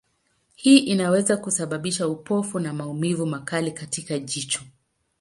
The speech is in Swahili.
Hii inaweza kusababisha upofu na maumivu makali katika jicho.